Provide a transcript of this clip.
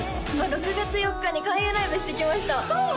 ６月４日に開運ライブしてきましたそうだ！